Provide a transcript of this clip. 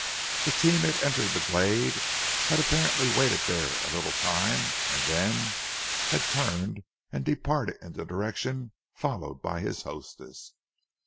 The team had entered the glade, had apparently waited there a little time, and then had turned and departed in the direction followed by his hostess.